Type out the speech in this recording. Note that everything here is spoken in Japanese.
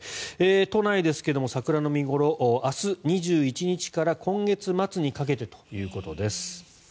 都内ですが桜の見頃明日、２１日から今月末にかけてということです。